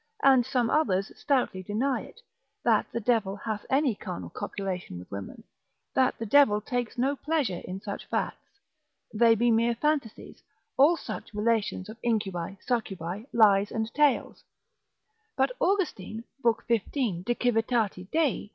and some others stoutly deny it, that the devil hath any carnal copulation with women, that the devil takes no pleasure in such facts, they be mere fantasies, all such relations of incubi, succubi, lies and tales; but Austin, lib. 15. de civit. Dei.